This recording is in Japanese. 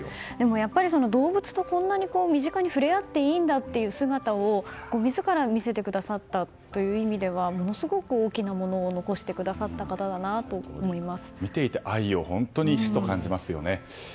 やっぱり動物とこんなに身近に触れ合っていいんだということを自ら見せてくださったという意味ではものすごく大きなものを残してくださって方だなと思います。